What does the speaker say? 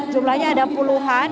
jumlahnya ada puluhan